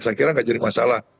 saya kira nggak jadi masalah